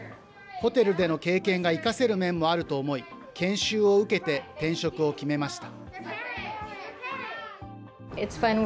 ホテルでの経験が生かせる面もあると思い、研修を受けて転職を決めました。